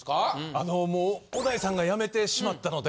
あのもう小田井さんが辞めてしまったので。